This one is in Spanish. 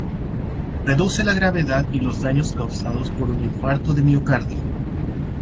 Reduce la gravedad y los daños causados por un infarto de miocardio.